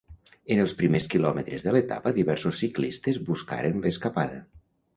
En els primers quilòmetres de l'etapa diversos ciclistes buscaren l'escapada.